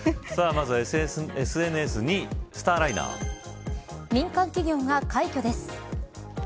まずはＳＮＳ２位スターライナー民間企業が快挙です。